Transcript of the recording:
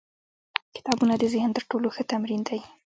کتابونه د ذهن تر ټولو ښه تمرین دی.